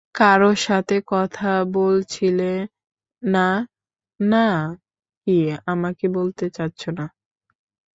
কারো সাথে কথা বলছিলে না, না কি আমাকে বলতে চাচ্ছ না?